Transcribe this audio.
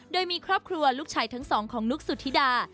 โดยมีครอบครัวลูกชายทั้งสองของนุ๊กสุธิดา